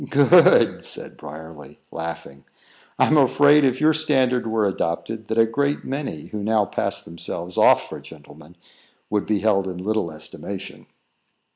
"Good!" said Briarly, laughing. "I'm afraid, if your standard were adopted, that a great many, who now pass themselves off for gentlemen, would be held in little estimation."